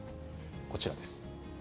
こちらです。